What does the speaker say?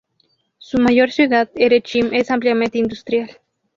Su mayor ciudad, Erechim, es ampliamente industrial.